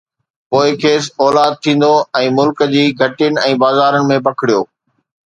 پوءِ کيس اولاد ٿيندو ۽ ملڪ جي گهٽين ۽ بازارن ۾ پکڙبو.